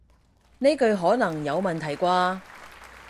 呢句可能有問題啩